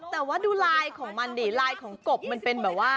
แต่ว่าดูลายของมันดิลายของกบมันเป็นแบบว่า